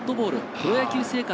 プロ野球生活